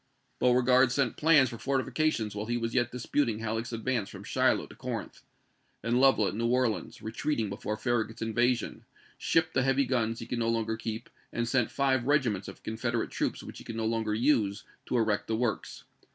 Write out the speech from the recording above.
Beauregard sent plans for fortifications while he was yet disputing Halleck's advance from Shiloh to Corinth ; and Lovell at New Orleans, retreating before Farragut's invasion, shipped the heavy guns he could no longer keep, and sent five regiments of Confederate troops which he could no longer use, to erect the works.